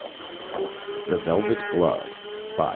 _ the velvet glove _by